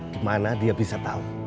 gimana dia bisa tahu